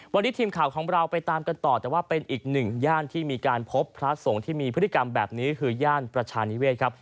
วันนี้ทีมข่าวของเราไปตามกันต่อแต่ว่าเป็นอีกหนึ่งย่านที่มีการพบพระสงฆ์ที่มีพฤติกรรมแบบนี้คือย่านประชานิเวศครับ